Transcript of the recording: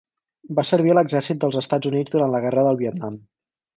Va servir a l'exèrcit dels Estats Units durant la Guerra de Vietnam.